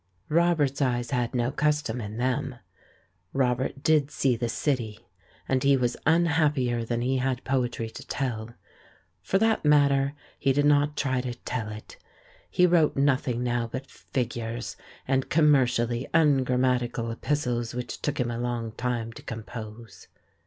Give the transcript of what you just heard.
Robert's eyes had no custom in them; Robert did see the City, and he was unhappier than he had poetry to tell; for that matter, he did not* try to tell it. He wrote nothing now but figures, and commercially ungrammatical epistles which took him a long time to compose.